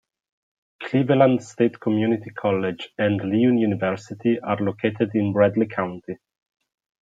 Cleveland State Community College and Lee University are located in Bradley County.